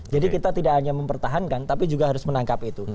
jadi kita tidak hanya mempertahankan tapi juga harus menangkap itu